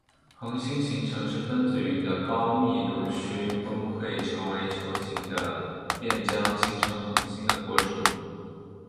恒星形成是分子云的高密度区崩溃成为球形的电浆形成恒星的过程。